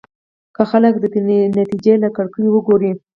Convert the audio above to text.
که خلک د نتيجې له کړکيو وګوري.